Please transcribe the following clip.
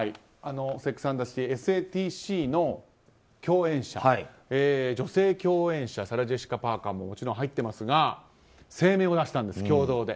「セックス・アンド・ザ・シティ」、「ＳＡＴＣ」の女性共演者サラ・ジェシカ・パーカーももちろん入っていますが声明を出したんです、共同で。